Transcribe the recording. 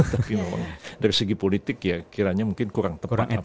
tapi memang dari segi politik ya kiranya mungkin kurang tepat apa yang dikirimkan